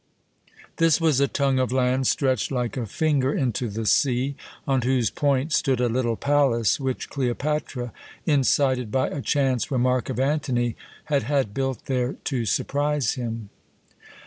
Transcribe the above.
This was a tongue of land stretched like a finger into the sea, on whose point stood a little palace which Cleopatra, incited by a chance remark of Antony, had had built there to surprise him.